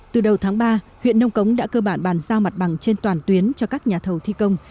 từ đầu tháng ba huyện nông cống đã cơ bản bàn giao mặt bằng trên toàn tuyến cho các nhà thầu thi công